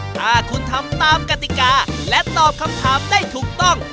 ถ้าคุณทำตามกติกาและตอบคำถามได้ถูกต้อง